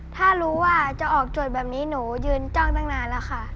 ถ้ารู้ว่าจะออกโจทย์แบบนี้หนูยืนจ้องตั้งนานแล้วค่ะ